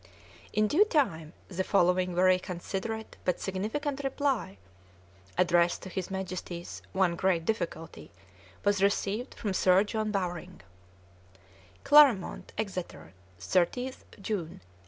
In due time the following very considerate but significant reply (addressed to his Majesty's "one great difficulty ") was received from Sir John Bowring: CLAREMONT, EXETER, 30 June, 1867.